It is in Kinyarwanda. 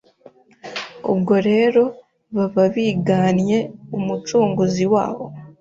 Ubwo rero baba bigannye Umucunguzi wabo,